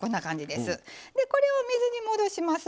でこれを水に戻します。